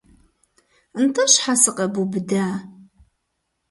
Нтӏэ щхьэ сыкъэбубыда?